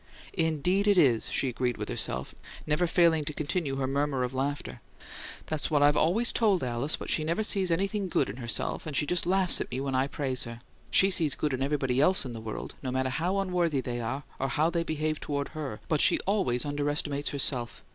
"Indeed it is," she agreed with herself, never failing to continue her murmur of laughter. "That's what I've always told Alice; but she never sees anything good in herself, and she just laughs at me when I praise her. She sees good in everybody ELSE in the world, no matter how unworthy they are, or how they behave toward HER; but she always underestimates herself.